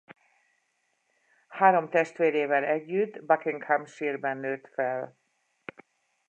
Három testvérével együtt Buckinghamshire-ben nőtt föl.